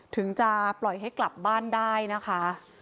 ถึงจะปล่อยให้กลับบ้านได้นะคะ